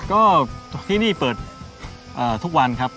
ก็ที่นี่เปิดทุกวันครับ